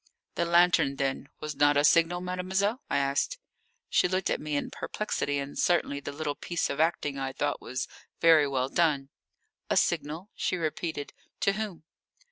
"The lantern then, was not a signal, mademoiselle?" I asked. She looked at me in perplexity, and certainly the little piece of acting, I thought, was very well done. "A signal?" she repeated. "To whom?"